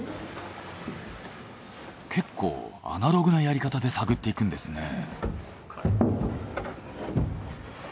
結構アナログなやり方で探っていくんですねぇ。